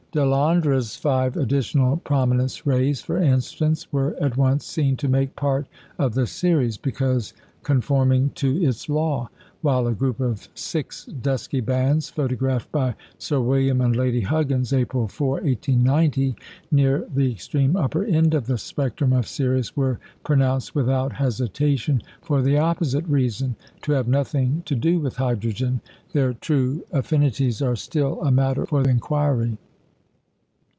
Deslandres' five additional prominence rays, for instance, were at once seen to make part of the series, because conforming to its law; while a group of six dusky bands, photographed by Sir William and Lady Huggins, April 4, 1890, near the extreme upper end of the spectrum of Sirius, were pronounced without hesitation, for the opposite reason, to have nothing to do with hydrogen. Their true affinities are still a matter for inquiry.